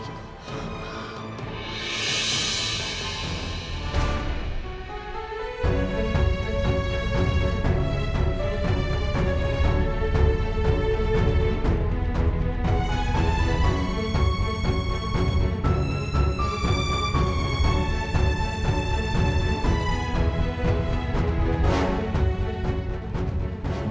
aku tidak paishd bug